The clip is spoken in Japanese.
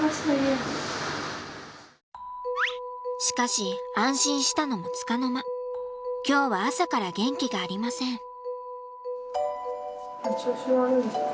しかし安心したのも束の間今日は朝から元気がありません。